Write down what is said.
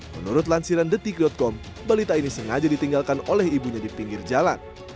menurut lansiran detik com balita ini sengaja ditinggalkan oleh ibunya di pinggir jalan